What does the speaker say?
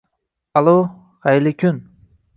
— Allo, xayrli kun.